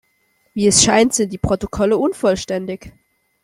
Wie es scheint, sind die Protokolle unvollständig.